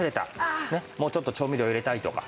ねっもうちょっと調味料入れたいとか。